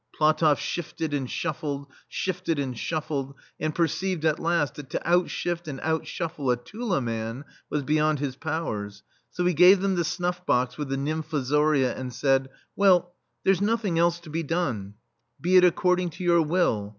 PlatofF shifted and shuffled, shifted and shuffled, and perceived, at last, that to out shift and out shuffle a Tula man was beyond his powers; so he gave them the snufF box with the nymfo zoria, and said : "Well, there's nothing else to be done ; be it according to your will.